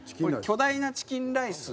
巨大なチキンライス。